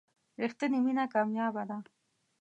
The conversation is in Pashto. رښتینې مینه کمیابه ده.